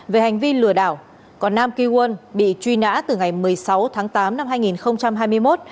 về hành vi lừa đảo còn nam kywan bị truy nã từ ngày một mươi sáu tháng tám năm hai nghìn hai mươi một